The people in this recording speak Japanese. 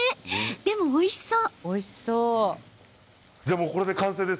でも、おいしそう！